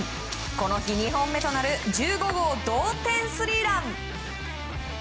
この日２本目となる１５号同点スリーラン。